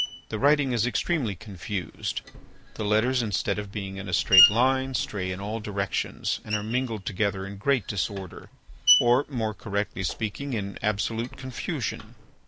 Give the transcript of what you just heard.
The writing is extremely confused, the letters instead of being in a straight line, stray in all directions and are mingled together in great disorder, or, more correctly speaking, in absolute confusion.